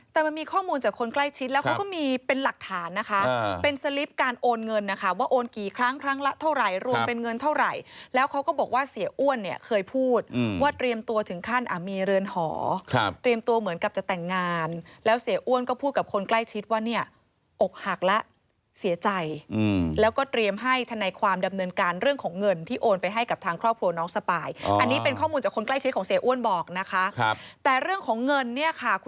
แต่มันมีข้อมูลจากคนใกล้ชิดแล้วเขาก็มีเป็นหลักฐานนะคะเป็นสลิปการโอนเงินนะคะว่าโอนกี่ครั้งครั้งละเท่าไหร่รวมเป็นเงินเท่าไหร่แล้วเขาก็บอกว่าเสียอ้วนเนี่ยเคยพูดว่าเตรียมตัวถึงขั้นอามีเรือนหอเตรียมตัวเหมือนกับจะแต่งงานแล้วเสียอ้วนก็พูดกับคนใกล้ชิดว่าเนี่ยอกหักละเสียใจแล้วก